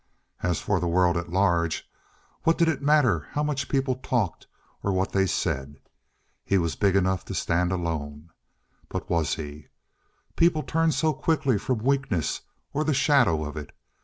As for the world at large, what did it matter how much people talked or what they said. He was big enough to stand alone. But was he? People turn so quickly from weakness or the shadow of it.